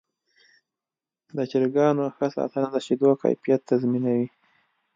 د چرګانو ښه ساتنه د شیدو کیفیت تضمینوي.